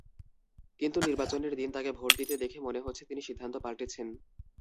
কিন্তু নির্বাচনের দিন তাঁকে ভোট দিতে দেখে মনে হচ্ছে, তিনি সিদ্ধান্ত পাল্টেছেন।